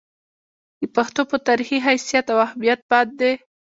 د پښتو پۀ تاريخي حېثيت او اهميت باندې